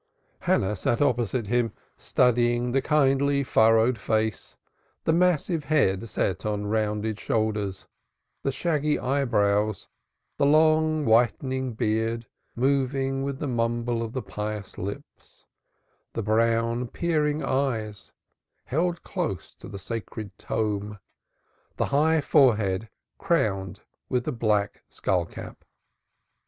Hannah sat opposite him, studying the kindly furrowed face, the massive head set on rounded shoulders, the shaggy eyebrows, the long whitening beard moving with the mumble of the pious lips, the brown peering eyes held close to the sacred tome, the high forehead crowned with the black skullcap.